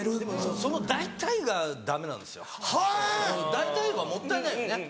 「大体」はもったいないよね。